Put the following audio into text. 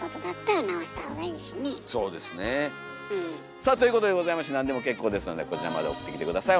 さあということでございまして何でも結構ですのでこちらまで送ってきて下さい。